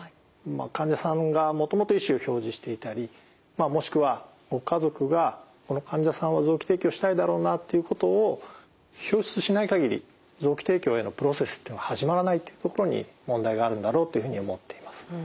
患者さんがもともと意思を表示していたりまあもしくはご家族がこの患者さんは臓器提供したいだろうなっていうことを表出しないかぎり臓器提供へのプロセスっていうのは始まらないというところに問題があるんだろうというふうに思っています。